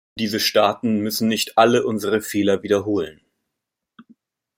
Diese Staaten müssen nicht alle unsere Fehler wiederholen.